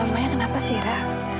oh emangnya kenapa sih ra